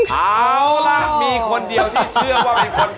เอาล่ะมีคนเดียวที่เชื่อว่าเป็นคน